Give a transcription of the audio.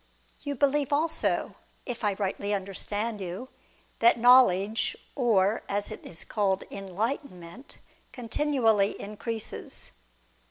You believe also, if I rightly understand you, that knowledge, or, as it is called, enlightenment, continu ally increases.